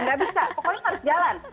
nggak bisa pokoknya harus jalan